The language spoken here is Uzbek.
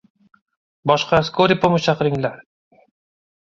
Boshqa «Skoriy pomosh» chaqiringlar!